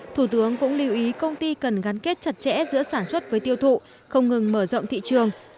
thủ tướng cũng lưu ý công ty cần gắn kết chặt chẽ giữa sản xuất với tiêu thụ không ngừng mở rộng thị trường